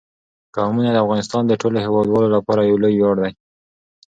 قومونه د افغانستان د ټولو هیوادوالو لپاره یو لوی ویاړ دی.